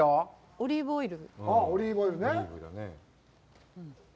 オリーブオイル。